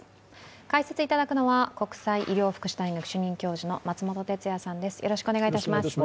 解説いただくのは国際医療福祉大学主任教授の松本哲哉さんです。